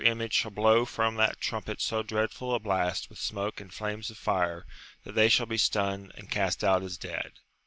253 image shall blow from that trumpet so dreadful a blast with smoke and flames of flre, that they shall be stunned and cast out as dead.